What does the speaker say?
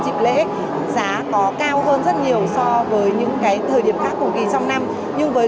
dịp lễ giá có cao hơn rất nhiều so với những cái thời điểm khác cùng kỳ trong năm nhưng với